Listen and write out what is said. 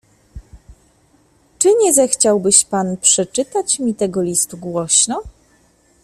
"Czy nie zechciałbyś pan przeczytać mi tego listu głośno?"